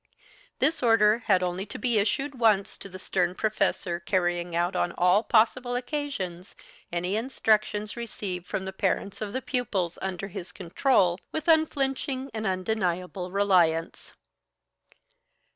This order had only to be issued once to the stern professor carrying out on all possible occasions any instructions received from the parents of the pupils under his control with unflinching and undeniable reliance.